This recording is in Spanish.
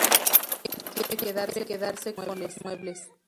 Él quiere quedarse con los muebles.